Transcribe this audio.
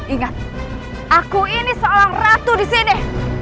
ingat aku ini seorang ratu di sini